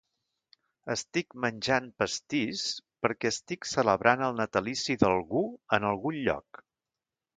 Estic menjant pastís perquè estic celebrant el natalici d'algú en algun lloc.